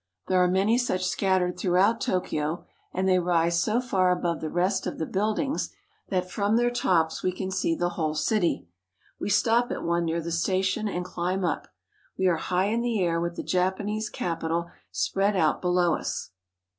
There are many such scattered throughout Tokyo, and they rise so far above the rest of the buildings that from their tops we can see the whole city. We stop at one near the station and climb up. We are high in the air, with the Japanese capital spread out below us.